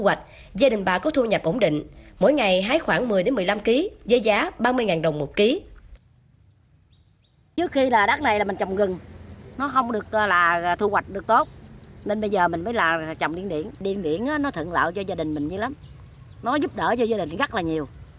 hoạch gia đình bà có thu nhập ổn định mỗi ngày hái khoảng một mươi một mươi năm kg với giá ba mươi đồng một kg